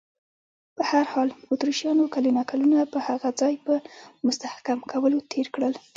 په هر حال، اتریشیانو کلونه کلونه د هغه ځای په مستحکم کولو تېر کړل.